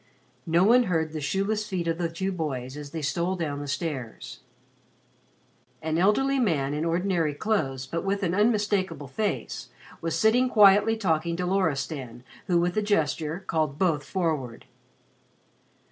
No one heard the shoeless feet of the two boys as they stole down the stairs. An elderly man in ordinary clothes, but with an unmistakable face, was sitting quietly talking to Loristan who with a gesture called both forward.